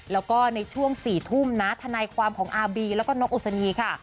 แล้วก็ในช่วง๔ทุ่มนะทนายความของอาร์บีแล้วก็นกอุศนีค่ะ